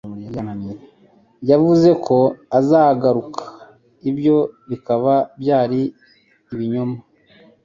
Yavuze ko azagaruka, ibyo bikaba byari ibinyoma.